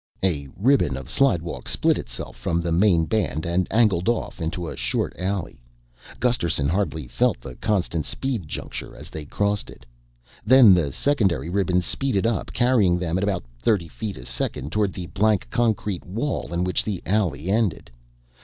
A ribbon of slidewalk split itself from the main band and angled off into a short alley. Gusterson hardly felt the constant speed juncture as they crossed it. Then the secondary ribbon speeded up, carrying them at about 30 feet a second toward the blank concrete wall in which the alley ended.